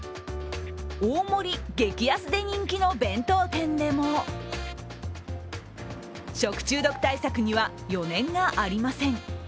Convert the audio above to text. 大盛り・激安で人気の弁当店でも食中毒対策には余念がありません。